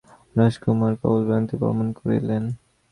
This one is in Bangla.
রাজকুমার কমলবৃত্তান্ত বর্ণন করিলেন।